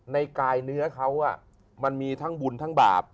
ในกายเนื้อเขามันมีทั้งบุญทั้งบาป